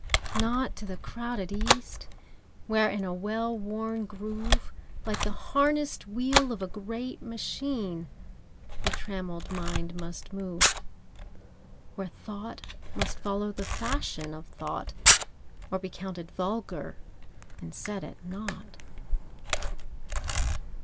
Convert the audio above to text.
] Not to the crowded East, Where, in a well worn groove, Like the harnessed wheel of a great machine, The trammelled mind must move— Where Thought must follow the fashion of Thought, Or be counted vulgar and set at naught.